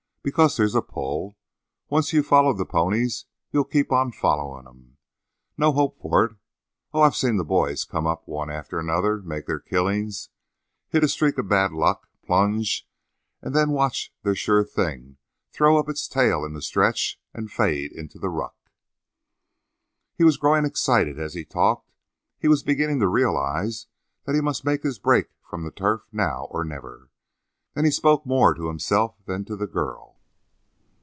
Because there's a pull. Once you've followed the ponies you'll keep on following 'em. No hope for it. Oh, I've seen the boys come up one after another, make their killings, hit a streak of bad luck, plunge, and then watch their sure thing throw up its tail in the stretch and fade into the ruck." He was growing excited as he talked; he was beginning to realize that he must make his break from the turf now or never. And he spoke more to himself than to the girl.